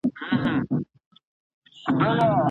اوس انځورګر پوهیږي